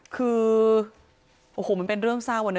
คือโอ้โหมันเป็นเรื่องเศร้าอะนะ